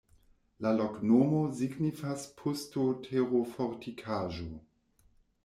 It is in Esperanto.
La loknomo signifas pusto-terofortikaĵo.